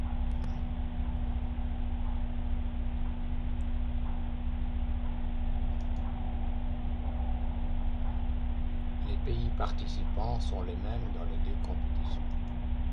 Les pays participants sont les mêmes dans les deux compétitions.